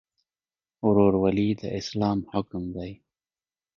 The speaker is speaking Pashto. ورورولي د اسلام حکم دی